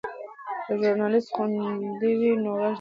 که ژورنالیست خوندي وي نو غږ نه خپیږي.